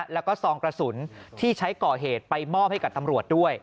แล้วก็ซองกระสุนที่ใช้ก่อเหตุไปมอบให้กับตำรวจด้วย